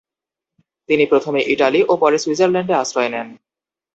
তিনি প্রথমে ইটালি ও পরে সুইজারল্যান্ডে আশ্রয় নেন।